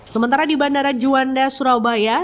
sementara di bandara juanda surabaya